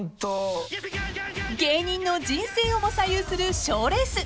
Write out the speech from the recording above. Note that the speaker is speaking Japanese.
［芸人の人生をも左右する賞レース］